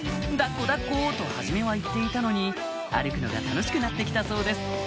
「抱っこ抱っこ」と初めは言っていたのに歩くのが楽しくなって来たそうです